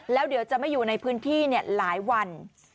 แล้วเดี๋ยวจะไม่อยู่ในพื้นที่หลายวัน